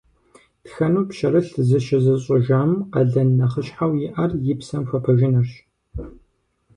Тхэну пщэрылъ зыщызыщӀыжам къалэн нэхъыщхьэу иӀэр и псэм хуэпэжынырщ.